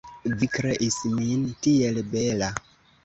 Vi kreis min tiel bela!